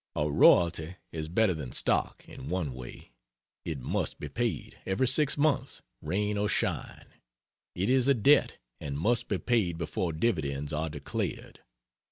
A royalty is better than stock, in one way it must be paid, every six months, rain or shine; it is a debt, and must be paid before dividends are declared.